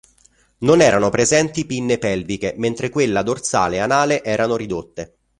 Non erano presenti pinne pelviche, mentre quella dorsale e anale erano ridotte.